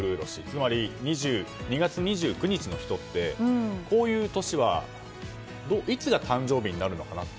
つまり２月２９日の人ってこういう年はいつが誕生日になるのかなって。